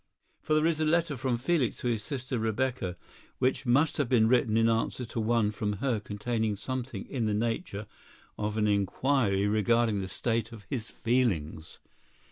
For there is a letter from Felix to his sister Rebecca which must have been written in answer to one from her containing something in the nature of an inquiry regarding the state of his feelings.